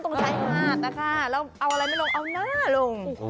ตรงชายหาดนะคะแล้วเอาอะไรไม่ลงเอาหน้าลง